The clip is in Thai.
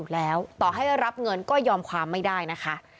แล้วต่อให้รับเงินก็ยอมความไม่ได้นะคะ